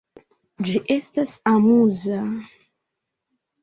Ĝi estas amuza.